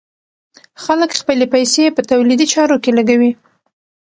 خلک خپلې پيسې په تولیدي چارو کې لګوي.